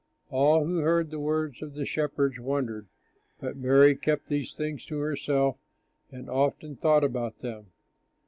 All who heard the words of the shepherds wondered, but Mary kept these things to herself and often thought about them.